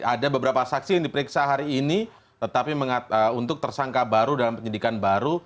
ada beberapa saksi yang diperiksa hari ini tetapi untuk tersangka baru dalam penyidikan baru